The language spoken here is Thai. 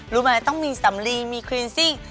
รู้ไหมต้องมีสำลีมีคลินซิ่ง